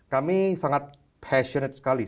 kami sangat passionate sekali